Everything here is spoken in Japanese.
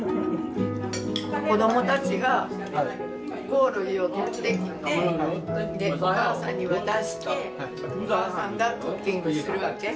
子供たちがコオロギを取ってきてでお母さんに渡してお母さんがクッキングするわけ？